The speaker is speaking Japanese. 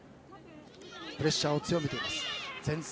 プレッシャーを強めています。